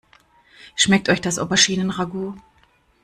Schmeckt euch das Auberginen-Ragout?